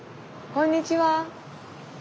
こんにちは。